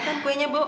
silahkan kuenya bu